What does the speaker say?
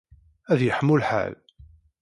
Ad yeḥmu lḥal.